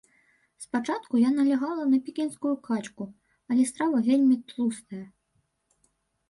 Спачатку я налягала на пекінскую качку, але страва вельмі тлустая.